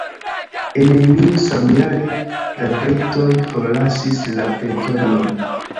En julio samjare, la britoj forlasis la teritorion.